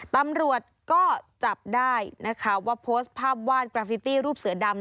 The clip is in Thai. ตำรวจก็จับได้นะคะว่าโพสต์ภาพวาดกราฟิตี้รูปเสือดำ